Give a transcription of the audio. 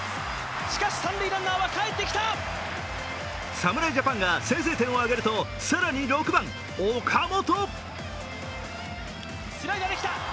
侍ジャパンが先制点を挙げると更に６番・岡本。